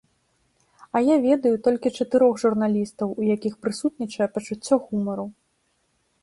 А я ведаю толькі чатырох журналістаў, у якіх прысутнічае пачуццё гумару.